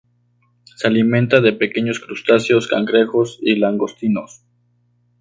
Se alimenta de pequeños crustáceos, cangrejos y langostinos.